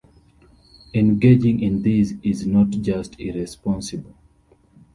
Engaging in this is not just irresponsible.